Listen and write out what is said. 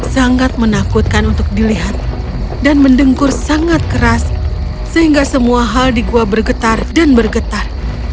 sangat menakutkan untuk dilihat dan mendengkur sangat keras sehingga semua hal di gua bergetar dan bergetar